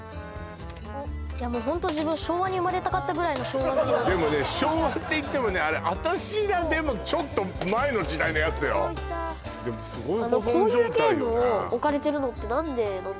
ホント自分昭和に生まれたかったぐらいの昭和好きなんですでもね昭和っていってもねあれ私らでもちょっと前の時代のやつよでもすごい保存状態よね